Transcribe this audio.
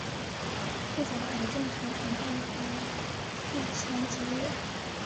这种癌症常常伴发腹腔积液。